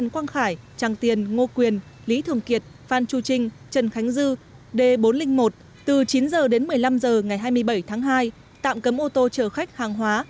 quang khải tràng tiền ngô quyền lý thường kiệt phan chu trinh trần khánh dư d bốn trăm linh một từ chín h đến một mươi năm h ngày hai mươi bảy tháng hai tạm cấm ô tô chở khách hàng hóa